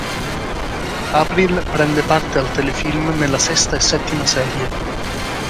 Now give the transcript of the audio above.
April prende parte al telefilm nella sesta e settima serie.